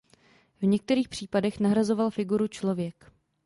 V některých případech nahrazoval figuru člověk.